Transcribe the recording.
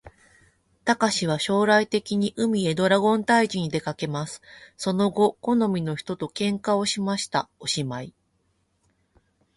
たかしは将来的に、海へドラゴン退治にでかけます。その後好みの人と喧嘩しました。おしまい